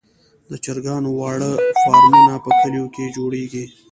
د چرګانو واړه فارمونه په کليو کې جوړیږي.